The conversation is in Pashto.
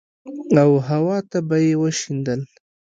او هوا ته به يې وشيندل.